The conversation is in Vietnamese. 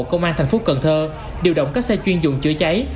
cần thơ điều động các xe chuyên dụng chữa cháy